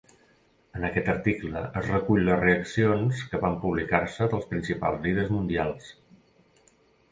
En aquest article es recull les reaccions que van publicar-se dels principals líders mundials.